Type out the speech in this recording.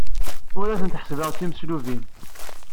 Ur tent-ḥessbeɣ d timeslubin.